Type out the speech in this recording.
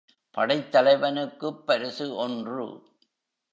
படைத்தலைவனுக்குப் பரிசு ஒன்று.